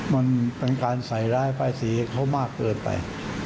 มันเป็นการใส่รายฝ่ายศีรเงินเขมากเกินไป